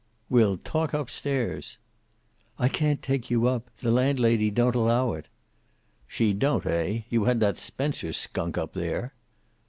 "We'll talk up stairs." "I can't take you up. The landlady don't allow it." "She don't, eh? You had that Spencer skunk up there."